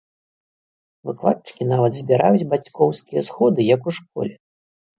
Выкладчыкі нават збіраюць бацькоўскія сходы, як у школе!